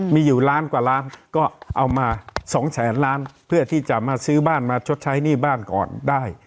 มีอยู่ล้านกว่าล้านก็เอามา๒แสนล้านเพื่อที่จะมาซื้อบ้านมาชดใช้หนี้บ้านก่อนได้